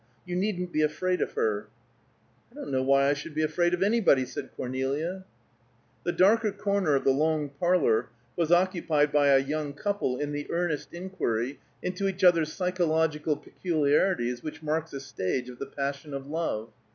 You needn't be afraid of her." "I don't know why I should be afraid of anybody," said Cornelia. The darker corner of the long parlor was occupied by a young couple in the earnest inquiry into each other's psychological peculiarities which marks a stage of the passion of love.